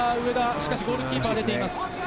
しかし、ゴールキーパーが出ています。